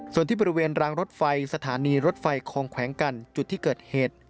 ส่วนที่บริเวณรางรถไฟสถานีรถไฟคลองแขวงกันจุดที่เกิดเหตุ